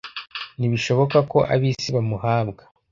Ntibishoboka ko ab'isi bamuhabwa